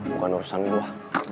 bukan urusan gue